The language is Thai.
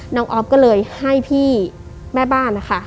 น้องอ๊อบก็เลยให้พี่แม่บ้านค่ะ